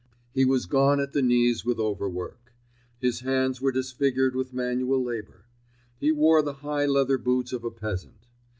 He was gone at the knees with overwork. His hands were disfigured with manual labour. He wore the high leather boots of a peasant.